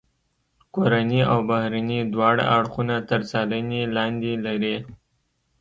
کورني او بهرني دواړه اړخونه تر څارنې لاندې لري.